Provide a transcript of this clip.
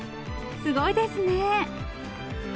すごいですね。